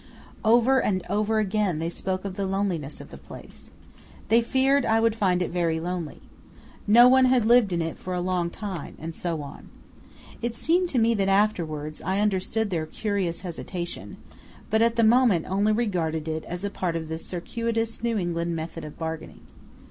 Over and over again they spoke of the loneliness of the place. They feared I would find it very lonely. No one had lived in it for a long time, and so on. It seemed to me that afterwards I understood their curious hesitation, but at the moment only regarded it as a part of the circuitous New England method of bargaining.